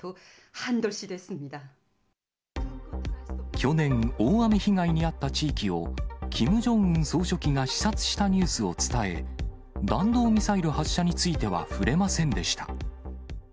去年、大雨被害に遭った地域をキム・ジョンウン総書記が視察したニュースを伝え、弾道ミサイル発射については触れませんでした。